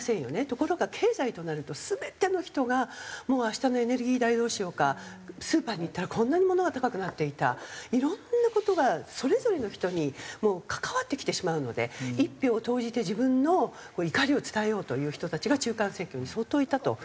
ところが経済となると全ての人がもう明日のエネルギー代どうしようかスーパーに行ったらこんなに物が高くなっていたいろんな事がそれぞれの人にもう関わってきてしまうので一票を投じて自分の怒りを伝えようという人たちが中間選挙に相当いたと。